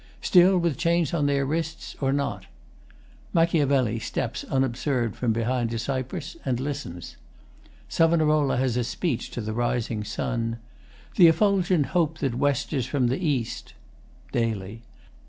[Still, with chains on their wrists? or not?] MACH. steps unobserved behind a cypress and listens. SAV. has a speech to the rising sun Th' effulgent hope that westers from the east | Daily.